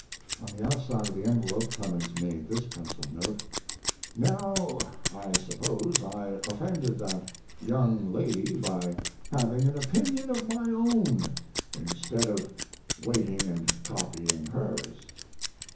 On the outside of the envelope Clemens made this pencil note: "Now, I suppose I offended that young lady by having an opinion of my own, instead of waiting and copying hers.